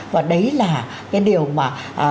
và đấy là cái điều mà